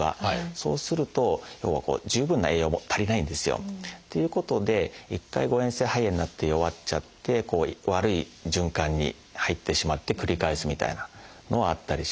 そうすると要は十分な栄養も足りないんですよ。ということで一回誤えん性肺炎になって弱っちゃって悪い循環に入ってしまって繰り返すみたいなのはあったりします。